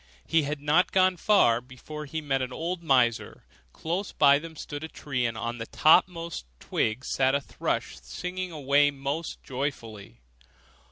He had not gone far before he met an old miser: close by them stood a tree, and on the topmost twig sat a thrush singing away most joyfully.